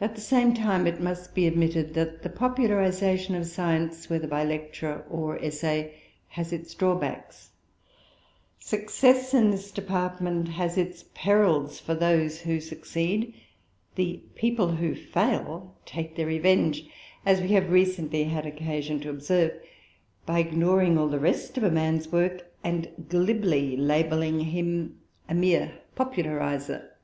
At the same time it must be admitted that the popularization of science, whether by lecture or essay, has its drawbacks. Success in this department has its perils for those who succeed. The "people who fail" take their revenge, as we have recently had occasion to observe, by ignoring all the rest of a man's work and glibly labelling him a more popularizer.